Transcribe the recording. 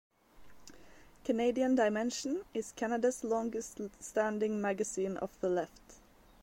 "Canadian Dimension" is Canada's longest standing magazine of the Left.